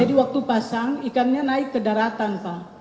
waktu pasang ikannya naik ke daratan pak